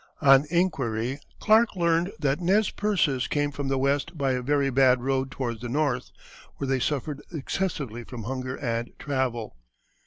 On inquiry, Clark learned that Nez Percés came from the west by a very bad road towards the north, where they suffered excessively from hunger and travel.